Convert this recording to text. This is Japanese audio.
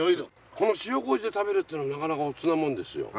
この塩こうじで食べるっていうのがなかなかおつなもんですよ。